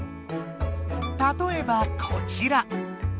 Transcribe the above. たとえばこちら。